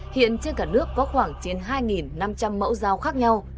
hiện trên cả nước có khoảng trên hai năm trăm linh mẫu dao khác nhau